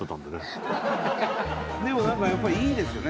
でも何かやっぱりいいですよね。